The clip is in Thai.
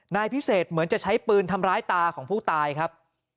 นายพิเศษเหมือนจะใช้ปืนทำร้ายตาของผู้ตายครับ